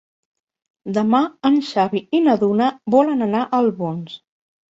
Demà en Xavi i na Duna volen anar a Albons.